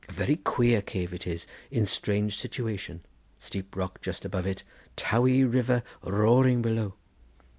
Very queer cave it is, in strange situation: steep rock just above it, Towey river roaring below.